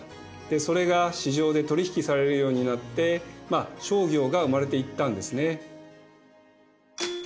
それが市場で取引されるようになってまあ商業が生まれていったんですね。